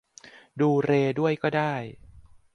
ดูเรย์ด้วยก็ได้